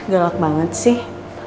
gelap banget sih